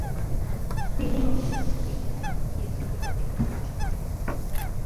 Fielding কখনো কখনো ছিল টেস্টের মতো, ঘিরে থাকা ফিল্ডারদের মুখ চলেছে সমানে।